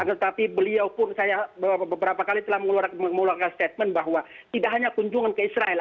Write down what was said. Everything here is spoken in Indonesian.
tetapi beliau pun saya beberapa kali telah mengeluarkan statement bahwa tidak hanya kunjungan ke israel